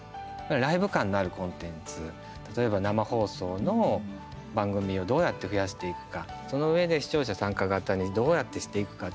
ライブ感のあるコンテンツ例えば、生放送の番組をどうやって増やしていくかそのうえで視聴者参加型にどうやってしていくか